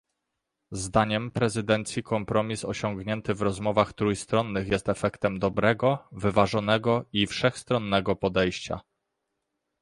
Zdaniem prezydencji kompromis osiągnięty w rozmowach trójstronnych jest efektem dobrego, wyważonego i wszechstronnego podejścia